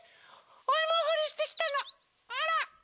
おいもほりしてきたのほら。